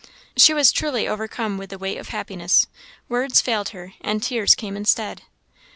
She was truly overcome with the weight of happiness. Words failed her, and tears came instead.